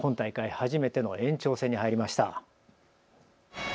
初めての延長戦に入りました。